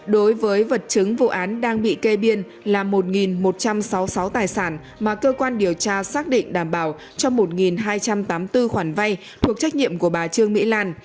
đối với vật chứng vụ án đang bị kê biên là một một trăm sáu mươi sáu tài sản mà cơ quan điều tra xác định đảm bảo cho một hai trăm tám mươi bốn khoản vay thuộc trách nhiệm của bà trương mỹ lan